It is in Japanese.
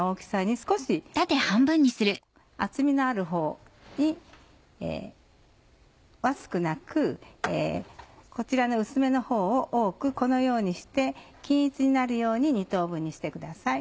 少し厚みのあるほうは少なくこちらの薄めのほうを多くこのようにして均一になるように２等分にしてください。